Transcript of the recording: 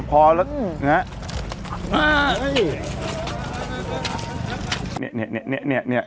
ปรากฏว่าจังหวัดที่ลงจากรถ